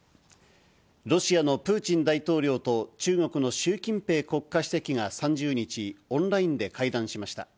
ロシアのプーチン大統領と中国の習近平国家主席が３０日、オンラインで会談しました。